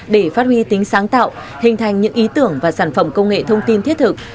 để phát huy tính sáng tạo hình thành những ý tưởng và sản phẩm công nghệ thông tin thiết thực